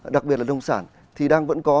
đặc biệt là nông sản thì đang vẫn có